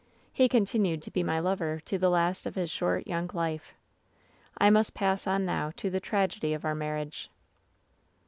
He continued to be my lover to the last of his short, young life. "I must pass on now to the tragedy of our marriage.'